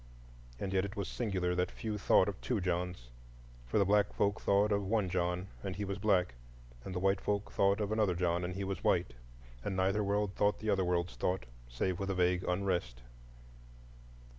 And yet it was singular that few thought of two Johns,—for the black folk thought of one John, and he was black; and the white folk thought of another John, and he was white. And neither world thought the other world's thought, save with a vague unrest.